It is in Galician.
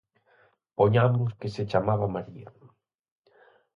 Poñamos que se chamaba María.